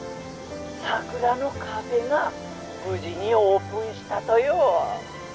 さくらのカフェが無事にオープンしたとよ。